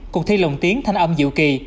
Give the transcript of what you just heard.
cục thi lồng tiếng thanh âm dịu kỳ